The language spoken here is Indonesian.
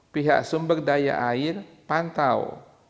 pihak sumber daya air pantau